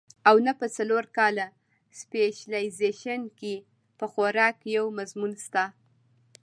او نۀ پۀ څلور کاله سپېشلائزېشن کښې پۀ خوراک يو مضمون شته